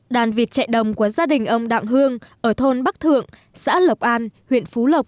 đàn vịt chạy đồng của gia đình ông đặng hương ở thôn bắc thượng xã lộc an huyện phú lộc